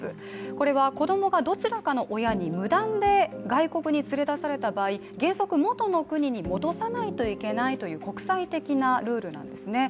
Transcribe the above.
これは子供がどちらかの親に無断で外国に連れ出された場合原則、元の国に戻さないといけないという国際的なルールなんですね。